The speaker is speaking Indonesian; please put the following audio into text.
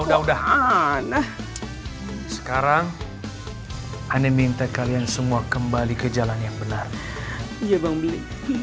udah udah sekarang ane minta kalian semua kembali ke jalan yang benar iya bangbeli